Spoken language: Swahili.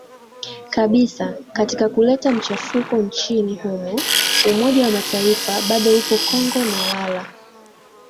kabisa katika kuleta machafuko nchini humo Umoja wa Mataifa bado upo Kongo na wala